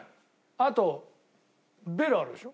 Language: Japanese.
あとベルあるでしょ？